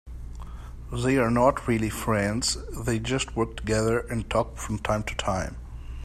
They are not really friends, they just work together and talk from time to time.